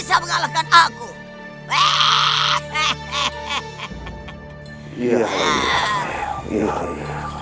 semoga berjalan baik seperti lain